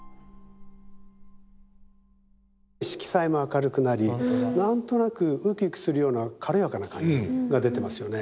色彩も明るくなり何となくうきうきするような軽やかな感じが出てますよね。